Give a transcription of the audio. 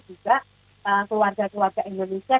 juga keluarga keluarga indonesia